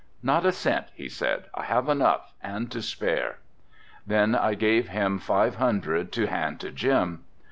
"Not a cent," he said, "I have enough and to spare." Then I gave him five hundred to hand to Jim.